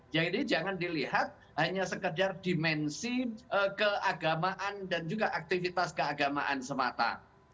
jadi jangan dilihat hanya sekadar dimensi keagamaan dan juga aktivitas keagamaan semata